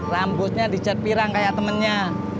rambutnya dicet pirang kayak temennya